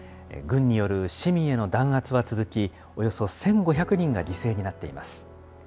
軍による市民への弾圧は続き、およそ１５００人が犠牲になっています。